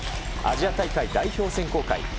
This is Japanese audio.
アジア大会代表選考会。